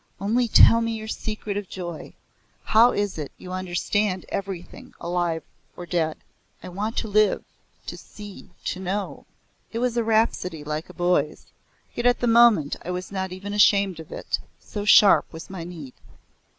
Only tell me your secret of joy. How is it you understand everything alive or dead? I want to live to see, to know." It was a rhapsody like a boy's. Yet at the moment I was not even ashamed of it, so sharp was my need.